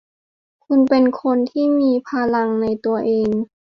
คุณเป็นคนที่มีพลังในตัวเอง